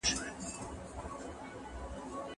تسلسل په لیکنو کي د پیوستون مانا ورکوي.